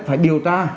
phải điều tra